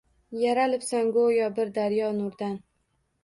Yaralibsan go’yo bir daryo nurdan